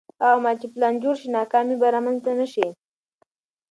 هغه مهال چې پلان جوړ شي، ناکامي به رامنځته نه شي.